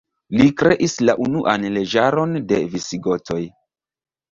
Li kreis la unuan leĝaron de Visigotoj.